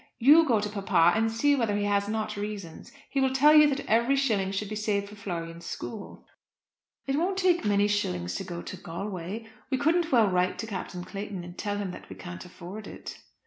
You go to papa, and see whether he has not reasons. He will tell you that every shilling should be saved for Florian's school." "It won't take many shillings to go to Galway. We couldn't well write to Captain Clayton and tell him that we can't afford it."